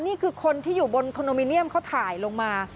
นี่คือคนที่อยู่บนคอนโดมิเนียมเขาถ่ายลงมา